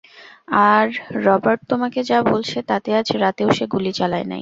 আর Robert তোমাকে যা বলছে, তাতে আজ রাতেও সে গুলি চালায়নি।